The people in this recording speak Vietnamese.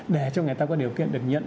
để cho người ta có điều kiện được nhận